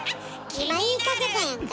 今言いかけたやんか。